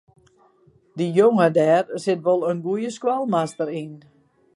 Dy jonge dêr sit wol in goede skoalmaster yn.